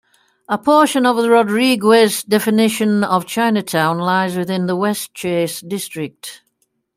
A portion of the Rodriguez definition of Chinatown lies within the Westchase district.